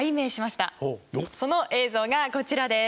その映像がこちらです。